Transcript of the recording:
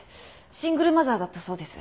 シングルマザーだったそうです。